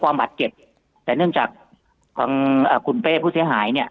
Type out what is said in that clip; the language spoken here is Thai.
ความบัดเจ็บแต่เนื่องจากของอ่าคุณป๊วยผู้เสียหายเนี่ย